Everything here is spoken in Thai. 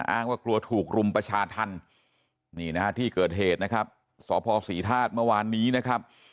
อ้างว่ากลัวถูกรุมประชาธรรมนี่นะฮะที่เกิดเหตุนะครับสพศรีธาตุเมื่อวานนี้นะครับ